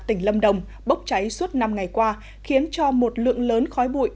tỉnh lâm đồng bốc cháy suốt năm ngày qua khiến cho một lượng lớn khói bụi